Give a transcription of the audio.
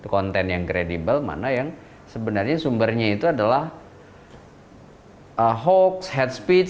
konten yang kredibel mana yang sebenarnya sumbernya itu adalah hoax head speech